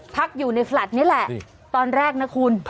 พักอยู่ในแฟลต์นี่แหละตอนแรกนะคุณ